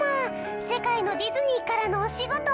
世界のディズニーからのお仕事も！